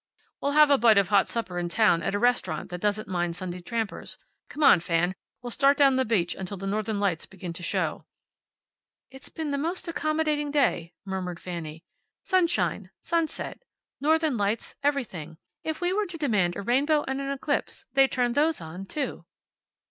"We'll have a bite of hot supper in town, at a restaurant that doesn't mind Sunday trampers. Come on, Fan. We'll start down the beach until the northern lights begin to show." "It's been the most accommodating day," murmured Fanny. "Sunshine, sunset, northern lights, everything. If we were to demand a rainbow and an eclipse they'd turn those on, too."